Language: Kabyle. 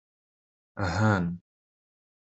Han.